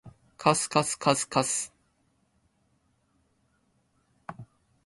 かすかすかすかす